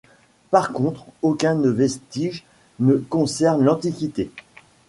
Par contre, aucun ne vestige ne concerne l'Antiquité.